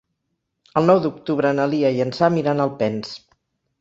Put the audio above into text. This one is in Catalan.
El nou d'octubre na Lia i en Sam iran a Alpens.